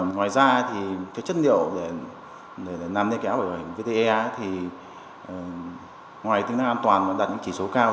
ngoài ra chất liệu để nằm lên áo bảo hiểm vte ngoài tính năng an toàn và đặt những chỉ số cao